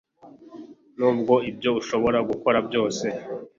nubwo ibyo ushobora gukora byose